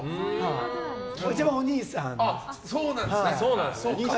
一番お兄さんです。